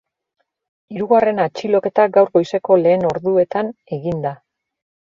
Hirugarren atxiloketa gaur goizeko lehen orduetan egin da.